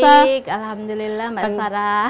baik alhamdulillah mbak sarah